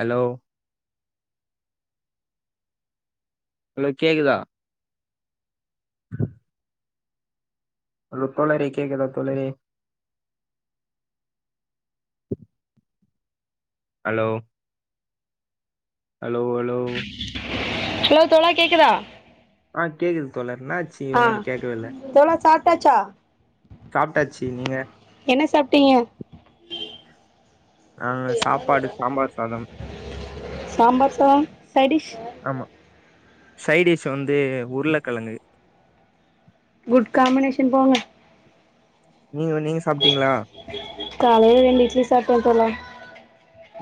Allow hello கேக்குதா அத்தோளர கேக்கதா தளர [unintelligible] அலோ அலோ அலோ ஹலோ தோளா கேக்குதா ஆஹ் கேக்குது தோலர் என்ன ஆச்சு இவ்ள்நேர் கேக்கவே இல்ல தச்சா சாப்டாச்சி நீங்க சாப்ட்டீங்க ஆ சாப்பாடு சாம்பார் சாதம் சாம்பார் சாதம் சைடிஷ் ஆமா சைடிஷ் வந்து உருளக்கெழங்கு குட் காமினேஷன் போங்க நீங்க நீங்க சாப்ட்டீங்களா காலைல ரெண்டு இட்லி சாப்ட் போதோல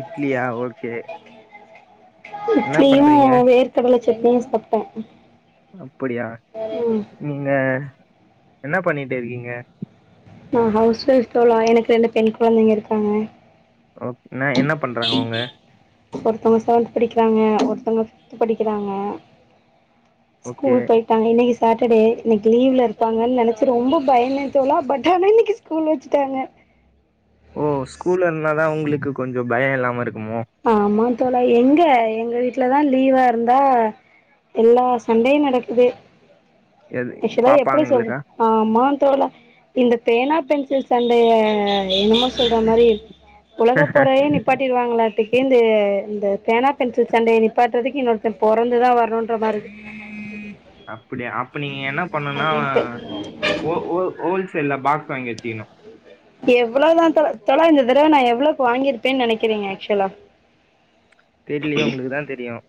இட்லியா ஓகே என்ன இட்லியும் பண்றீங்க வேர்கடள சட் [unintelligible] சட்னி பே அப்படியா நீங்க என்ன பண்னீட்டு இருக்கீங்க ஆஹ் ஹவுஸ் ஒய்ஃப் தோலா எனக்கு ரெண்டு பெண் குழந்தைங்க இருக்காங்க அபரோ ஒருதவங்க செவன்த் படிக்கிறாங்க ஒருத்தங்க ஃபிப்த் படிக்கிறாங்க ஓகே ஸ்கூல் பொய்ட்டாங்க இன்னக்கி ஸ்கூ சாட்டர்டே இன்னக்கி லீவ்ல இருப்பாங்கன்னு நெனச்சி ரொம்ப பயம்ந்த தோலா பட் ஆனா இன்னக்கி ஸ்கூல் வச்சுட்டாங்க ஓ ஸ்கூல் இருனாதான் ஒங்களுக்கு கொஞ்சம் பயம் இல்லாம இருக்கு ஆமா தோளா எங்க எங்க வீட்லதான் லீவா இருந்தா எல்லா சண்டையும் நடக்குதே எது அக்க்ஷுவலா எப்படி சொல்றது பாப்பாங்களுக்கா ஆமா தோலா இந்த பேனா பென்சில்ஸ் சண்டயே ஆ என்னமோ சொல்ற மாரி உலக போறயே நிப்பாட்டிருவாங்களாட்டுக்கு இந்த இந்த பேனா பென்சில் சண்டையே நிப்பாட்றதுக்கு இன்னொருத்தர் பொறந்து தான் வரணுன்ற மாரி இருக்கு அப்புடியா அப்ப நீங் நீங்க என்ன பண்ணனா அப்டின்ட்டு ஓ ஓ ஓல்சேல்ல பா ங்கி வச்சீகணு எவ்வளதா தோழர் தோழா இந்த தடவ நா எவ்வளக்கு வாங்கிருப்பேன் நெனக்கிறீங்க ஆக்ஷுவ்லா தெர்லியே ஒங்களுக்குதான் தெரியும்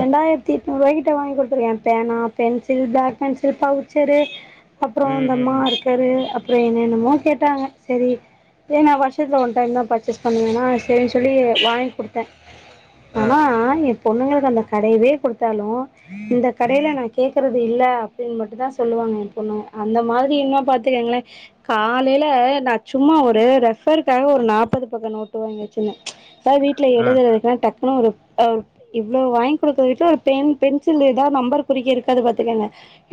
ரெண்டாயிரத்தி எட்நூற்வாகிட்ட வாங்கி குடுத்துருக்கே ஏன் பேனா பென்சில் பிளாக் பென்சில் பவுச்செரு அப்புறம் ம் இந்த ம் மார்கரு அப்றோ என்னென்னமோ கேட்டாங்க செரி இதே நா வர்ஷத்தில ஒன் டைம் தா பர்ச்சேஸ் பண்ணுவேன்னா சேரின் சொல்லி வாங் குடுத்தே ஆ ஆனா ஏன் பொண்ணுங்களுக்கு அந்த கடயவே குடுத்தாலும் இந்த கடையில நா கேக்கறது இல்ல அ ப்டின் மட்டு தா சொல்லுவாங்க ஏம்பொண்ணுவோ அந்த மாதிரி என்னா பாத்துக்கேங்களேன் காலேல நா சும்மா ஒரு ரெஃபர்க்காக ஒரு நாப்பது பக்க நோட்டு வாங்கி வச்சிருந்தே எதா வீட்லெ ஆ எழுதுறதுக்கனா டக் குனு ஒரு இவ்ளோ வாங் குடுக்கற விட்லெ ஒரு பென் பென்சில் ஏதாவ் நம்பர் குறிக்க இருக்காது பாத்துக்கங்க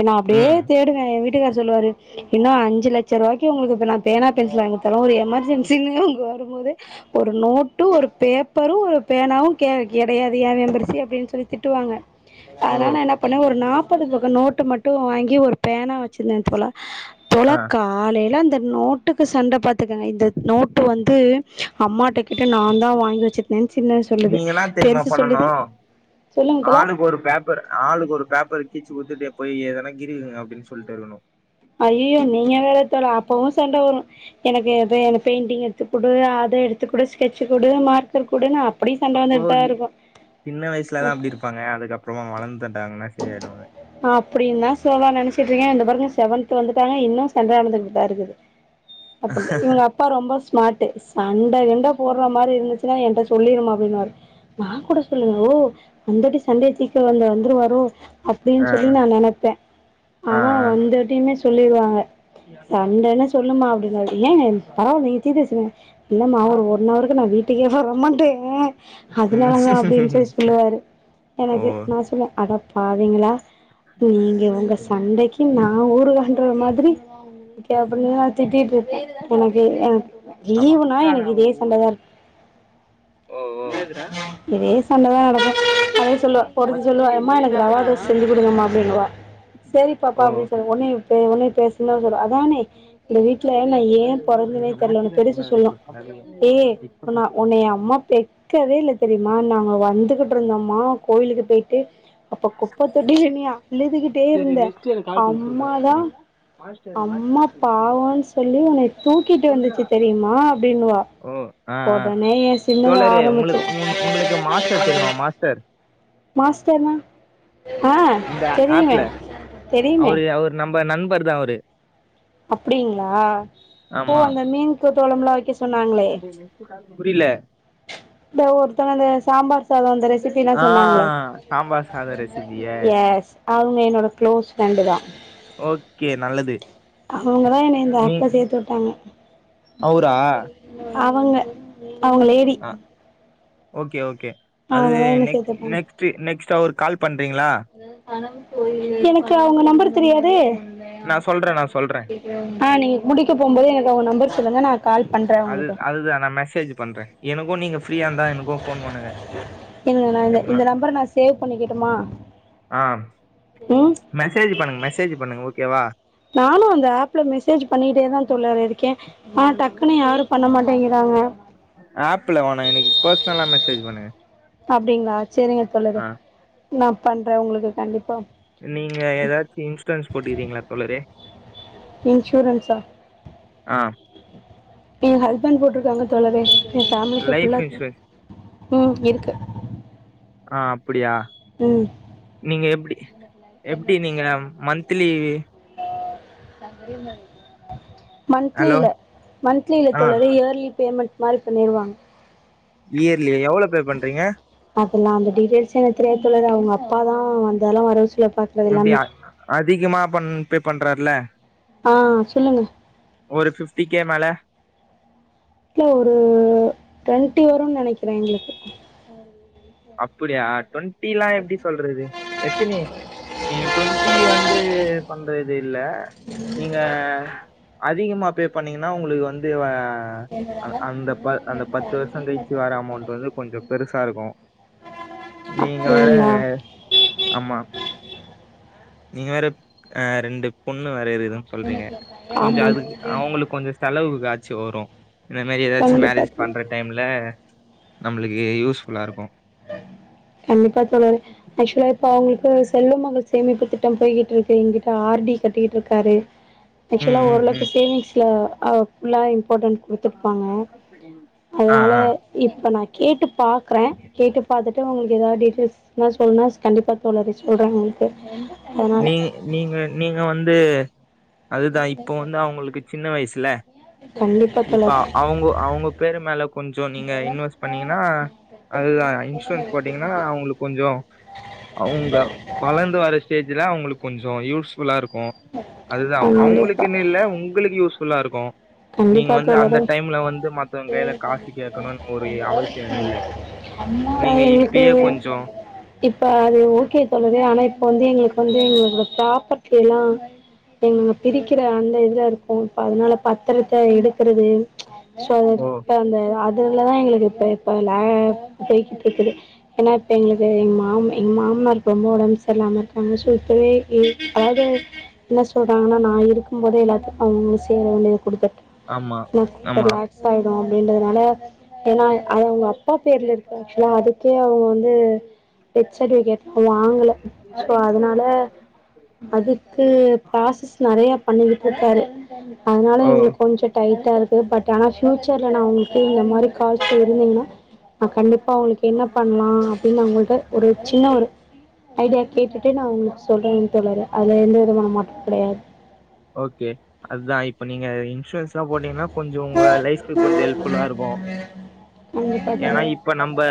நா அப்டியே ம் தேடுவேன் ஏன் வீட் ட்டுகாரு சொல்லுவாரு இன்னு அஞ்சி லெச்சரூவாய்கி ஒங்களுக்கு நா இப்ப பேனா பென்சில் வாங்கி குடுத்தாலு ஒரு எமெர்ஜென்சின்னு இங்கு வருமோது ஒரு நோட்டு ஒரு பேப்பரு ஒரு பேனாவு கெ கெடையாது யா வேம்பரசி அப்டின் சொல்லித் திட்டுவாங்க ஓ அதனால நா என்ன பண்ணே ஒரு நாப் படி [unintelligible] நோட்டு மட்டு வாங்கி ஒரு பேனா வச்சிருந்தே தோழா ஆ தோழா காலேல அந்த நோட்டுக்கு சண்ட பாத்துகங்க இந்த நோட்டு வந்து அம்மாட்ட கேட்ட நான்தா வாங்கி வெச்சிருக்கீங்க சின்னது சொல்லுது நீங்க என்னா தெரியுமா பெருசு பண்ணனு சொல்லுது சொல்லுங்க தோழா ஆளுக்கு ஒரு பேப்பரு ஆளுக்கு ஒரு பேப்பருக் கிழிச்சி போட்டுட்டு போய் எதனா கிரிகிங்க அப்டின் சொல்ட்டு இருக்கணு ஐயோயோ நீங்க வேற தோழ அப்பவு சண்ட வரும் எனக்கு பேய் அந்த பெயிண்டிங் எடுத்துக்குடு அத எடுத்துக்குடு ஸ்கெட்சி குடு மார்க்கெர் குடுனு அ அப்போ சின்ன வயஸுலதா அப்டி இருப்பாங்க அதுக்கப்புறோ வளந்து அந் நா அப்டின் தா சோழா நெனச்சிட்டு இருக்கே இந்த பாருங்க செவன்து வந்துட்டாங்க இன்னு சண்ட நடந்துகிட்டுதா இருக்குது அப்புடி இவங்க அப்பா ரொம்ப ஸ் ஸ்மாட்டு சண்ட உண்டப் போர்றா மாரி இருந்திச்சினா ஏன்ட சொல்லிருமா அப்டின்னுவாரு நாங்கூட சொல்லுவே ஓ வந்தடி சண்டேயே தீக்க வந்து வந்துருவா ரோ அப்படின்னு ஆ சொல்லி நான் நினைப்பேன் ஆ ஆனா ஆ வந்துமே சொல்லிடுவாங்க சண்டைன சொல்லுமா அப்படின்னாரு ஏன் பரவாயில்லை நீங்க [unintelligible] இல்லம்மா ஒரு ஒன் ஹவர் நான் வீட்டுக்கே போரமாட்டேன் அதனால தான் அப்படின்னு சொல்லி ம் சொல்லுவாரு ஓ எனக்கு நான் சொன்னேன் அட பாவிங்களா நீங்க உங்க சண்டைக்கு நா ஊறுகா ட்டுற மாதிரி அப்பட திட்டிட்டு இருக்கே எனக்கு லீவுனா எனக்கு இதே சண்டதா [unintelligible] இருக்கு ஓ ஓ என்னது டா சண்ட தா நடக்கு அதா சொல்லுவா ஒருத்தி சொல்லுவா ரவா தோசை செஞ்சு குடுங்கம்மா அப்பின்னுவா சரி பாப்பா ஓ அப்படின்னு சொ ஓடனே ஒன்ன பேசுனா கூட அதானே இந்த வீட்டுல ஒரே நான் நிமிஷோ ஒரே ஏன் பொறந்தனே நிமிஷோ மாத்தி தெரியலன்னு பேச பெருசு கூடாதுடா சொல்லும் இப்ப ஏ் இப்ப உ உன்னைய அம்மா கத்துடா பெக்கவே இல்ல தெரியுமா நாங்க வந்துகிட்டு இருந்தோம்மா ஆ கோயிலுக்கு போயிட்டு அப்ப குப்ப தொடில நீ பிள்ளையை தூக்கிட்டு இருந்துட்டே இருந்த அம்மாதான் அம்மா பாவம்ன்னு சொல்லி உன்னைய தூக்கிட்டு வந்துச்சு தெரியுமா அப்படின்னுவா ஓ! உடனே என் சின்னது தோழரே உங்களுக்கு ஆரம்பிச்சிரு உ உங்களுக்கு மாஸ்டர் தெரியுமா மாஸ்டர் மாஸ்டர்னா ஆ இந்த தெரியும் அவரு அவர் நம்ம நண்ப பர் தான் அவரு அப்படிங்களா ஓ ஆமா. அந்த மீன் லாம் வைக்க சொன்னாங்களே புரியல. இந்த ஒருத்தன் இந்த சாம்பார் அது அந்த ப்ப ஆ சொன்னாங்களே சாம்பார் சாதம் ரெசிபி எஸ். அதுங்க என்னோட களோஸ் ண தான் ஓகே நல்லது. அவங்கதான் என்ன இந்த ஆப்ப சேத்து விட்டாங்க அவுரா அவங்க அவங்க லேடி ஓகே ஓகே அது அவங்கதா நெக் நெக்ஸ்ட் நெக்ஸ்ட் அவர்க்கு கால் பண்ண ம் அனம் எனக்கு அவங்க நம்பர் தெரியாதே நான் சொல்றேன், நான் சொல்றேன். நீங்க முடிக்க போம்போது எனக்கு அவங்க நம்பர் சொல்லுங்க நான் அது அதுதான் நான் மெசேஜ் பண்றேன் எனக்கும் நீங்க ஃபிரியா இருந்தா எனக்கும் போன் பண்ணுங்க இல்ல நா இந்த எப்பன இந்த நம்பர நா சேவ் பண்ணிக்கட்டுமா ஆ ம் மெசேஜ் பண்ணுங்க மெசேஜ் பண்ணுங்க கேவா நானும் அந்த ஆப்ல மெசேஜ் பண்ணிட்டே தான் தோழர் இருக்கேன் ஆஹ் டக்குன யாரு பண்ண மாட்டேங்கிறாங்க ஆப்ல வேணா எனக்கு பர்சனல்லா மெசேஜ் செரி பண்ணுங்க அப்டிங்களா செரிங்க தோழரே ஆ நா பண்றே உங்குளுக்கு கண்டிப்பாக நீங்க எதாச்சும் இன்சூரன்ஸ் போட்டிக்கீறிங்களா தோழரே இன்சூரன்ஸா அ ஏ ஹஸ்பண்ட் போட்டிருக்காங்க தோழரே ஏ ஃபேமிலிக்கு லைஃப் ஃபுல்லாவே இன்சூரன்ஸ் ம் இருக்கு அ அப்பிடியா ம் நீங்க எப்டி [unintelligible] எப்பக்ஷடி நீங்க மந்த் திலி [inaudible] ஹலோ மந்த்லியில மந்த்லி இல்ல ஆ தோழரே இயர்லி பேமெண்ட் மாரி பண்ணிடுவாங்க இயர் ர்லி எவ்ளோ ஃபே பண்றீங்க ல்ல அந்த டீட்டெயல்ஸ் எனக்கு தெரியாது தோழரே அவங்க அப்பா தா [unintelligible] இ பாக்குறது எப்டி எல்லாமே அதிகமா பண் பே பண்றார்ல ஆ சொல்லுங்க ஒரு ஃபிப்டி கே மேல இல்ல ஒரு டொவண்டி வரும்னு நெனைக்கிற எங்ளுக்கு அப்பிடியா டொண்டி ல்லா எப்டி சொல்றது எத்தின நீங்க டொவண்ட்டி வந்து பண்றது இல்ல நீங்க அதிகமா பே பண்ணீங்கன்னா உங்குளுக்கு வந்து அந்த ப அந்த பத்து வருஷம் கயிச்சு வர அமௌண்ட் வந்து கொஞ்சோ பெருசா இருக்கு நீங்க வேற அப்டிங்களா ஆமா நீங்க வேற அ ரெண்டு பொண்ணு வேறயிருக்கு சொல்றீங்க கொஞ்சோ ஆமா அதுக்கு அவங்குளுக்கு கொஞ்சோ செலவுகாசு சோரும் இந்த மாரி எதாச்சும் கண்டிப்பா மேரேஜ் தோ பண்ற டைம்ல நம்முளுக்கு யூஸ் ஃபுல்லா இருக்கு கண்டிப்பா தோழரே ஆக்சுவலா இப்ப அவங்களுக்கு செல்ல மகள் சேமிப்பு திட்டம் போயிகிட்டு இருக்கு இங்குட்டு ஆர் டி கட்டிட்டு இருக்காரு ஆக்சுவலா ம் ஒரு ம் லட்ச ம் சேவிங்ஸ்ல ஆஃப்லைன் கொடுத்துப்பாங்க ஆ அதனால ஆ இப்ப நான் கேட்டுப் பாக்குறே பாத்துட்டு உங்களுக்கு ஏதாவது டீடெ யில்சு நா சொல்லு கண்டிப்பா தொளறி சொல்றே உங்கங்களு நீ நீங்க நீங்க வந்து அதுதான் இப்ப வந்து அவங்களுக்கு சின்ன வயசுல கண்டிப்பா இப்ப தோழரே அவ்ங்க அவ்ங்க பேரு மேல கொஞ்சோ நீங்க இன்வெஸ்ட் பண்ணீங்கன்னா அது தான் இன்சூரன்ஸ் போட்டீங்கன்னா அவங்களுக்கு கொஞ்சம் அவங்க வளர்ந்து வர ஸ்டேஜ்ல அவங்களுக்கு கொஞ்சம் யூஸ்புஃல்லா இருக்கு ஓ அதுதான் கண்டிப்பா அவுங்களுக்குன்னு இல்ல உங்களுக்கு யூஸ் ஃபுல்லா இருக்கு நீங்க கண்டிப்பா வந்து அந்த தோழரே டைம்ல வந்து மத்தவங்க கையில காசு கேட்கணும்னு ஒரு அவசியம் இல்ல. நீங்க எங்களுக்கு இப்பயே கொஞ்சம் இப்ப அது ஓகே தோழரே ஆனா இப்ப வந்து எங்களுக்கு வந்து எங்க ப்ராப்பர்ட்டி எல்லாம் எங்க பிரிக்கிற அந்த இதுல இருக்கும் அதனால பத்தரத்தை எடுக்குறது ஓ! அந்த அது அதால தான் எங்களுக்கு இப்போ இப்போ போய்கிட்டு இருக்குது ஏன்னா இப்ப எங்களுக்கு எங்கள் மா எங்கள் மாமானார் இருப்பம உடம்பு சரி இல்லாம இருக்காங்க ஸோ இப்போவே அதாவது என்ன சொல்கறாங்கன்னா நான் இருக்கும் போதே எல்லாத்துக்கும் அவங்கும் சேர வேண்டியது குடுத்த ஆமா, ம் ஆமா. லாஸ் ஆயிடும் அப்படின்றதுனால ஏன்னா அது அவங்க அப்பா பேர்ல இருக்கு ஆக்சுவலா அதுக்கே அவங்க வந்து சர்டிபிகேட் வாங்கல சோ அதனால அதுக்கு ப்ராசஸ் நறையா பண்ணிக்கிட்டு இருக்காரு அதுனால ஓ! இங்க கொஞ்சம் டைட்டா இருக் பட் ஆனா பியூச்சர்ல நான் உங்களுக்கு இந்த மாரி கால்ஸ் இருந்தீங்கன்னா நா கண்டிப்பா உங்களுக்கு என்ன பண்லாம் அப்படின்னு உங்ககிட்ட ஒரு சின்ன ஒரு ஐடியாக்கேட்டு விதமான மாற்றம் கெடையாது ஓகே அதான் இப்ப நீங்க இன்ரன்ஸ்ல போட்டீங்கா கொஞ்சம் உங்க லைஃப்க்கு கொஞ்ச ஹெல்ப்ஃபுல்லா இருக்கு கண்டிப்பா ஏன்னா தோழரே இப்ப நம்ம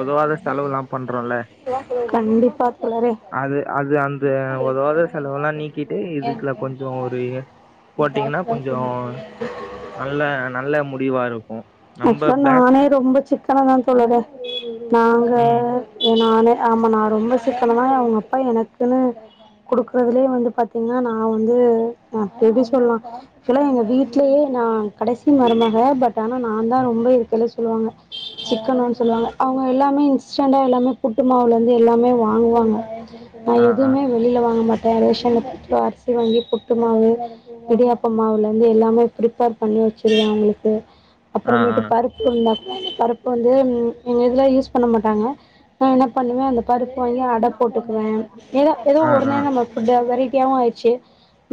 உதவாத செலவுல்லாம் பண்றோம்ல கண்டிப்பா தோழரெ அது அது அந்த ஒதவாத செலவுல்லா நீக்கிட்டு இதுக்குல கொஞ்சோ ஒரு போட்டீங்கன்னா கொஞ்சோ நல்ல நல்ல முடிவா இருக்கு ஆக்சுவலா நானே ரொம்ப சிக்கன தா தோழரே ம் நாங்கள் நானே ஆமா நா ரொம்ப சிக்கனமா அவுங்கப்பா எனக்குன்னு குடுக்குறதுலயே வந்து பாத்தீங்ன்னா நா வந்து அ எப்டி சொல்லா ஆச்சுலா எங்க வீட்லயே நா கடைசி மருமஹ பட் ஆன் நாந்தா ம். ரொம்ப இருக்கைலே சொல்லுவாங்க சிக்கனோன் சொல்லுவாங்க அவுங்க எல்லாமே இன்ஸ்டண்டா எல்லாமே புட்டு மாவுலிந்து எல்லாமே வாங்குவாங்க நான் ஆ, ஆ, எதுமே வெளில வாங்க மாட் ரேஷன் [unintelligible] அரிசி வாங்கி புட்டு மாவு இடி யாப்ப மாவுலிந்து எல்லாமே ப்ரிபேர் பண்ணி வச்சிருவே அவுங்களுக்கு ஆ, ஆ, அப்றமேட்டு பருப்புருண்ட பருப்பு வந்து எங்க இதுல யூஸ் பண்ண மாட்டாங்க நா என்ன பண்ணுவே அந்த பருப் பு வாங்கி அட போட்டுக்குவே எதோ எதோ ஆ, ஒரு ஆ, நேரோ நம்ம புடு [unintelligible] யாவு ஆயிர்ச்சு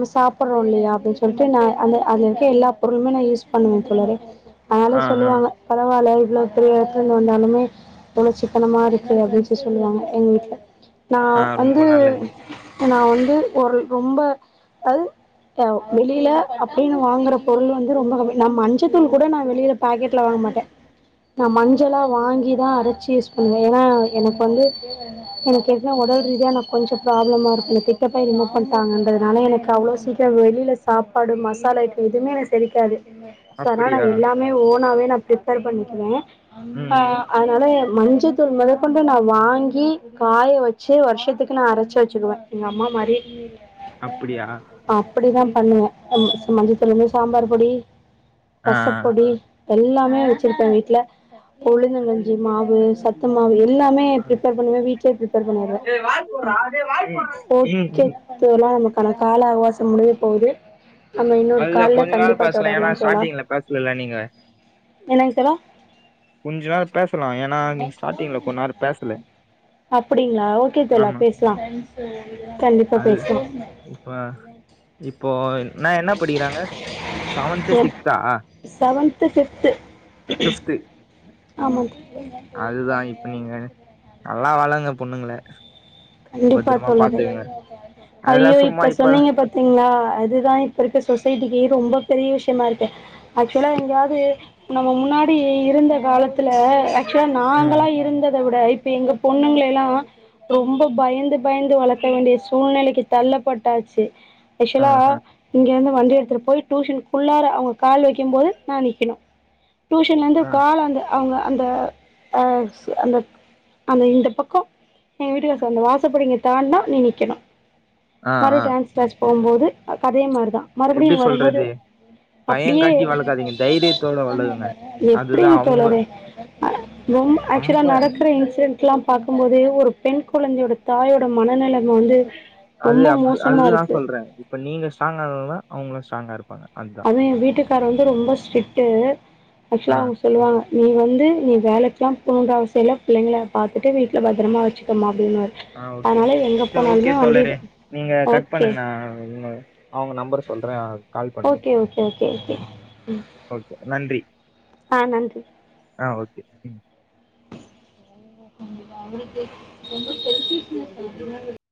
ம சாப் பட்றோ இல்லையா அப்டின் சொல்ட்டு நா அந்த அதுலிருக்க எல்லா பொருளுமே நா யூஸ் பண்ணுவே தோழரே அதனால ஆ, ஆ, சொல்லுவாங்க பரவால்ல இவ்ளோ பெரிய எடத்துலிந்து வந்தாலுமே உனு சிக்கனமா இருக்கு அப்டி சொ சொல்லுவாங்க எங்க வீட்ல நா ஆ ரொம்ப வந்து நல்லது. நா வந்து ஒரு ரொம்ப அதாது எ வெளில அப்டின்னு வாங்குற பொருள் வந்து ரொம்ப கம்மி நா மஞ்சத்தூள் கூட நா வெளில பேக்கெட்ல வாங்க மாட்டே நா மஞ்சலா வாங்கி தா அற ச்சு யூஸ் பண்ணுவே ஏன்னா எனக் வந்து எனக்கு எதுனா ஒடல் ரீதிய நா கொஞ்சொ ப்ராப்ளமா இருக்கு பித்தப்பை ரிமூவ் பண்ட்டாங்கன்றதுனால எனக்கு அவ்ளோ சீக்ரோ வெளில சாப்பாடு மசாலா ஐட்டோ எதுமே எனக்கு செரிக்காது சோ னால அப்படியா? எல்லா போனாவே நா ப்ரிபேர் பண்ணிக்குவே ம், ம். ஆஹ் அனால எ மஞ்சத் தூள் மொத க்கொண்டு நா வாங்கி காய வச்சு வர்ஷத்துக்கு நா அரச்சு வச்சுக்குவ எங்கம்மா மாரி அப்படியா? அப்புடிதா பண்ணுவோ ம் மஞ்சத்தூள் சாம்பாரு பொடி ஆஹ் பொடி எல்லாமே வச்சிருப்பேன் வீட்டு்ல பொளுந்தங்கஞ்சி மாவு சத்து மாவு எல்லாமே பிப்பேர் பண்ணி வீட்லயே பிப்பேர் பண்ணிருவேன் டேய் வாய் போடுறா, டேய் வாய் ம். போடுறா. ம், ஓகே ம், ம். இதெல்லாம் நமக்கான கால அவகாசம் கூடவே போகுது ஆமா இன்னொரு அதுதான் கால்ல கொஞ்ச நேரம் கண்டிப்பா பேசலாம். ஏன்னா தொடரலாம் தோழா [unintelligible] நீங்க என்னங்க தோழா கொஞ்ச நேரம் பேசலாம் ஏனா நீங்க ஸ்டார்ட்டிங் கொஞ்சநேரம் பேசல அப்டிங்களா ஓகே தோழா பேசலா கண்டிப்பா அது பேசலா இப்ப ந என் படிறாங்க செவன்து சிக்ஸ்தா செவன்து ஃபிவேத் [inaudible] அதுதான் இப்ப நீங்க நல்லா வளங்க பொண்ணுங்கலே கண்டிப்பா தோழரே அதெல்லா ஐயோ சும்மா இப்ப இப்பதா சொன்னீங்க பாத்தீங்களா அதுதான் இப்ப இருக்க சொசைட்டிக்கு ரொம்ப பெரிய விஷயமா இருக்கு ஆக்சுவலா எங்காவது நம்ம முன்னாடி இருந்த காலத்து இதுல ஆக்சுவலா ம் நாங்களாம் இருந்ததை விட இப்ப எங்க பொண்ணுங்க எல்லாம் ரொம்ப பயந்து பயந்து வளர்க்க வேண்டிய சூழ்நிலைக்கு தள்ளப்பட்டாச்சு ஆ அச்ட்வல்ல இங்க இருந்து வண்டி இடத்து போய் டியூஷன்க்குள்ளார அவங்க கால் வைக்கும் போது நான் நிக்கணும் டியூஷன்ல இருந்து ஆ கால அங்க அவங்க அந்த அந்த இந்த பக்கம் [unintelligible] அந்த வாசப்பிடிங்க தண்டுனா நீ நிக்கணும் ஆ ஆ [unintelligible] டான்ஸ் [unintelligible] போம் போது கதைய மா இரு எப்டி மறுபடியும் வரும்போது சொல்றது பய அப்படியே காட்டி வளக்காதீங்க தைரியத்தோட வளருங்க அதுதா அவங்க எப்படனு [unintelligible] [unintelligible] ரொம்ப ஆக்சுவலா நம்ப ந நடக்கிற இன்சிடெட் லாம் பார்க்கும்போது ஒரு பெண் குழந்தையோட தாயோட மனநில அது அப் அதுதான் இருக்கு சொல்றேன் இப்ப நீங்க ஸ்டராங்கா இருந்தா தான் அவுங்க ஸ்ட்ராங்கா இருப் அதுவு என் வீட்டுக்கார் வந்து ரொம்ப ஸ்ட்ரிக்ட் ஆ ஆக்சுவலா அவுங்க சொல்லுவாங்க நீ வந்து நீ வேலைக்கெலாம் போகணுன்ற அவசியம்ல்லை பிள்ளைங்கள பார்த்துட்டு வீட்டில் பத்திரமா வச்சுக்கமா அப்டின்னுவாரு ஆஹ் ஓகே அதனால எங்க சேரி ஓகே போனாலுமே தோழரே வண்டில நீங்க கட் ஓகே பண்ணுங்க நா [unintelligible] அவங்க நம்பர் சொல்றேன் ஓகே ஓகே ஓகே ஓகே ம் ஓகே நன்றி ஆ நன்றி ஆ ஓகே ம் [unintelligible] அவுருக்கே [unintelligible] என் சி சி [inaudible]